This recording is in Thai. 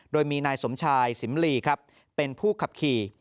โดยมีนายสมชายสิมลีครับเป็นผู้ขับขี่